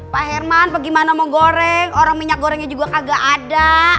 pak herman bagaimana mau goreng orang minyak gorengnya juga kagak ada